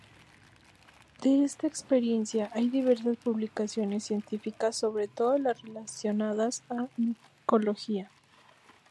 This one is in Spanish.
De esta experiencia hay diversas publicaciones científicas sobre todo las relacionadas a micología.